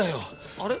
あれ？